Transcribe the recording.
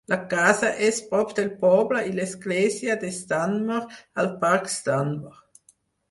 La casa és prop del poble i l'església de Stanmer, al parc Stanmer.